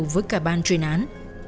với cả ban chuyên án